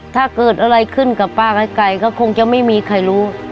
ถ้าเกิดอะไรขึ้นกับป้าไก่ก็คงจะไม่มีใครรู้